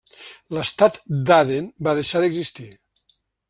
L'estat d'Aden va deixar d'existir.